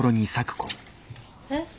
えっ？